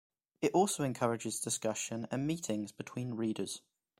It also encourages discussion and meetings between readers.